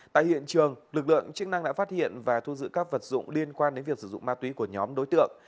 tại hiện trường lực lượng chức năng đã phát hiện và thu giữ các vật dụng liên quan đến việc sử dụng ma túy của nhóm đối tượng